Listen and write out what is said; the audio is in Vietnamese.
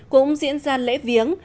cũng diễn ra lễ viếng